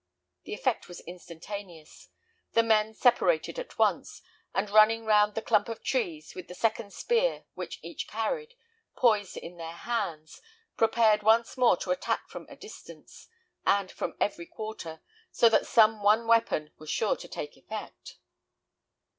The effect was instantaneous; the men separated at once, and running round the clump of trees, with the second spear which each carried, poised in their hands, prepared once more to attack from a distance, and from every quarter, so that some one weapon was sure to take effect.